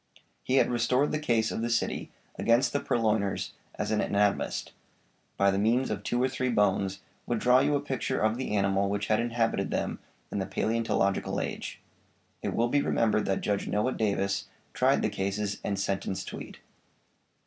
He had restored the case of the city against the purloiners as an anatomist, by the means of two or three bones, would draw you a picture of the animal which had inhabited them in the palæontological age.' It will be remembered that Judge Noah Davis tried the cases and sentenced Tweed.